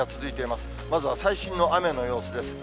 まずは最新の雨の様子です。